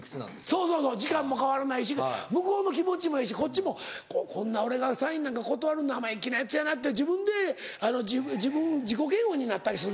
そうそうそう時間も変わらないし向こうの気持ちもええしこっちもこんな俺がサインなんか断るの生意気なヤツやなって自分で自己嫌悪になったりすることある。